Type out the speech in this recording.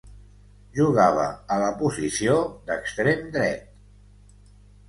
Jugava a la posició d'extrem dret.